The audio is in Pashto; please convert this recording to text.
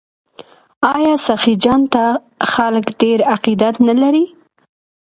آیا سخي جان ته خلک ډیر عقیدت نلري؟